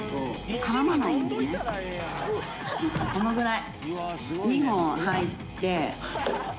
このぐらい。